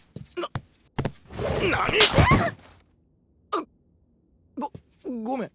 あごごめん。